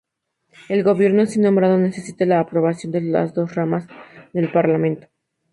El Gobierno así nombrado necesita la aprobación de las dos ramas del parlamento.